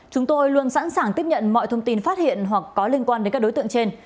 chúng tôi luôn sẵn sàng tiếp nhận mọi thông tin phát hiện hoặc có liên quan đến các đối tượng trên